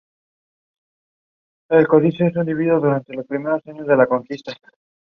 Kolodezki is the nearest rural locality.